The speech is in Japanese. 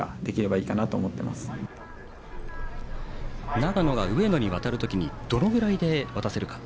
長野は、上野に渡る時にどのぐらいで渡せるか。